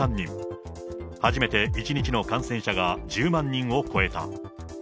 初めて１日の感染者が１０万人を超えた。